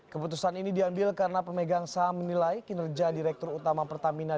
keputusan ini diambil karena pemegang saham menilai kinerja direktur utama pertamina